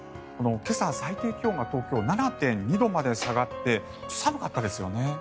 今朝、最低気温が東京、７．２度まで下がって寒かったですよね？